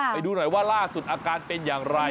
ไปดูหน่อยว่าล่าสุดอาการเป็นอย่างไร